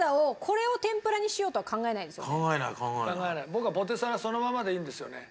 僕はポテサラそのままでいいんですよね。